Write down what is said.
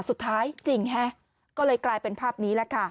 สุดท้ายจริงฮะก็เลยกลายเป็นภาพนี้แหละค่ะ